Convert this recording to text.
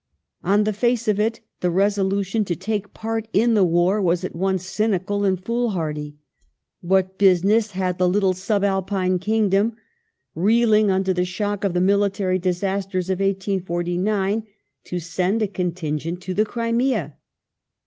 On the face of it, the resolution to take part in the war was at once cynical and fool hardy. What business had the little sub Alpine Kingdom, reeling under the shock of the military disastei s of 1849, to send a contin gent to the Crimea